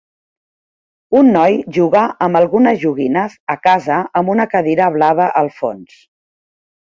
Un noi juga amb algunes joguines a casa amb una cadira blava al fons.